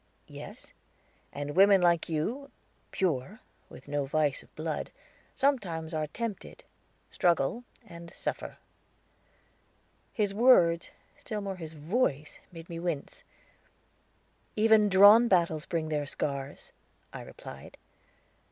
"Yes." "And women like you, pure, with no vice of blood, sometimes are tempted, struggle, and suffer." His words, still more his voice, made we wince. "Even drawn battles bring their scars," I replied.